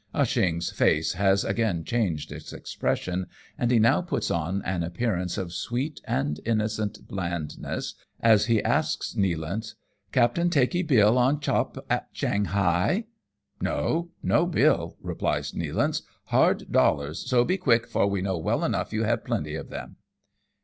Ah Cheong's face has again changed its expression, and he now puts on an appearance of sweet and innocent blandness, as he asks Nealance, " Captain takee bill on chop at Shanghai P ^'" No ! no bill !" replies Nealance ;" hard dollars, so be quick, for we know well enough you have plenty of them."